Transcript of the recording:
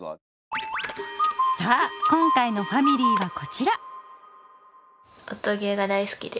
さあ今回のファミリーはこちら。